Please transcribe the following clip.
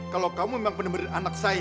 kalau kamu memang penemir anak saya